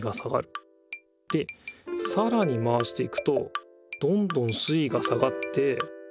でさらに回していくとどんどん水いが下がって。